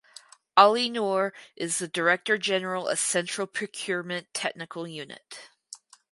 Ali Noor is the Director General of Central Procurement Technical Unit.